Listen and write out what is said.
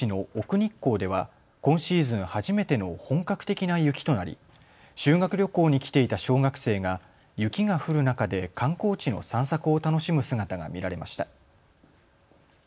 日光では今シーズン初めての本格的な雪となり修学旅行に来ていた小学生が雪が降る中で観光地の散策を楽しむ姿が見られました。